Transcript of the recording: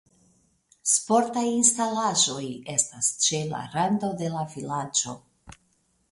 Sportaj instalaĵoj estas ĉe la rando de la vilaĝo.